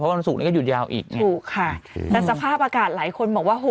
วันศุกร์นี้ก็หยุดยาวอีกไงถูกค่ะแต่สภาพอากาศหลายคนบอกว่าโห